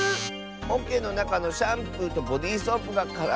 おけのなかのシャンプーとボディーソープがからになってる？